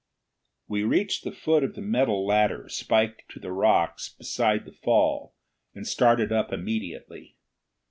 We reached the foot of the metal ladder spiked to the rocks beside the fall and started up immediately.